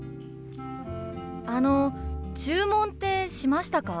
あの注文ってしましたか？